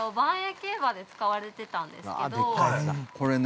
競馬で使われてたんですけどこれね